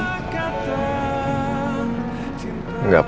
kamu kenapa sih tiba tiba ngebahas ini